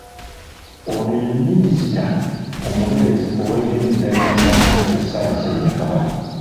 Ono ye minista omubeezi ow’ebyemizannyo mu gavumenti ya Ssaabasajja Kabaka.